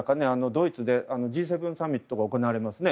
ドイツでＧ７サミットが行われますね。